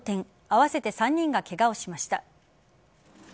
合わせて３人がケガをしました。